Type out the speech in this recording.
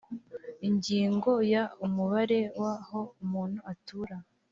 ingingo ya umubare w aho umuntu atura